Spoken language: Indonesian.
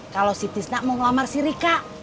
kalo si tisna mau ngelamar si rika